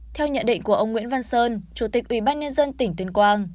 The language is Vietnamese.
theo nhận định của ông nguyễn văn sơn chủ tịch ủy ban nhân dân tỉnh tuyên quang